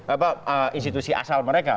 apa institusi asal mereka